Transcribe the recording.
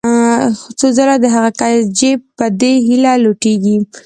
څو ځله د هغه کس جېب په دې هیله لوټېږي.